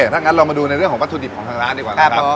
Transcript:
ถ้างั้นเรามาดูในเรื่องของวัตถุดิบของทางร้านดีกว่านะครับ